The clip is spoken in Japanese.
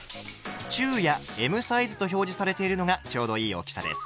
「中」や「Ｍサイズ」と表示されているのがちょうどいい大きさです。